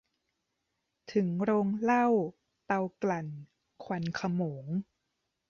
ถึงโรงเหล้า เตากลั่น ควันโขมง